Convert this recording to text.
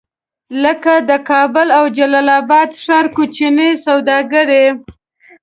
لکه د کابل او جلال اباد ښار کوچني سوداګر.